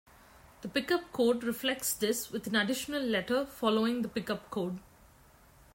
The Pickup code reflects this with an additional letter following the pickup code.